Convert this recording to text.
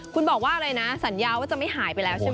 คุณบอกว่าอะไรนะสัญญาว่าจะไม่หายไปแล้วใช่ไหม